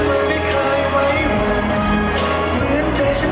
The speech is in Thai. มันบุกเทศสันติวะมันมาให้เธอ